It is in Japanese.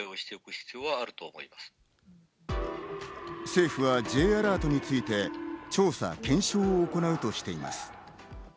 政府はＪアラートについて調査・検証を行うとしています。